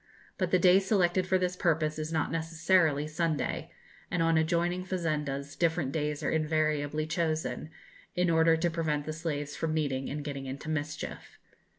But the day selected for this purpose is not necessarily Sunday; and on adjoining fazendas different days are invariably chosen, in order to prevent the slaves from meeting and getting into mischief.